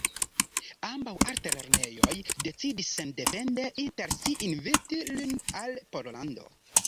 Ambaŭ altlernejoj decidis sendepende inter si inviti lin al Pollando.